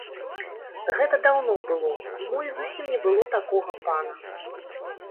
Гэта даўно было, мо і зусім не было такога пана.